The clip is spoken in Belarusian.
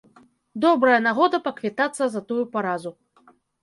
Добрая нагода паквітацца за тую паразу.